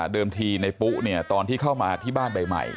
เดิมทีในปุเนี่ยตอนที่เข้ามาที่บ้านใบใหม่